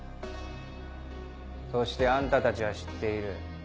そしてあんたたちは知っている。